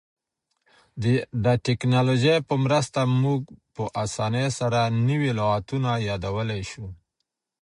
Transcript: د ټکنالوژۍ په مرسته موږ په اسانۍ سره نوي لغتونه یادولای سو.